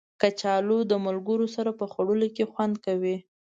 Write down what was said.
کچالو د ملګرو سره په خوړلو کې خوند کوي